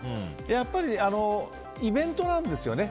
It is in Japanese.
やっぱり、イベントなんですよね